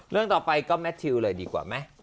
เรื่องต่อไปก็แมททิวเลยดีกว่าไหม